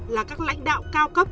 là các lãnh đạo cao cấp